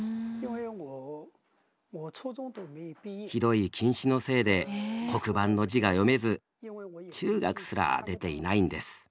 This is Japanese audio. ひどい近視のせいで黒板の字が読めず中学すら出ていないんです。